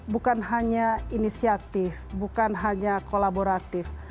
bukan hanya inisiatif bukan hanya kolaboratif